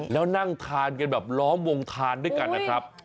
แล้วนั่งทานกันแบบล้อมวงทานด้วยกันนะครับ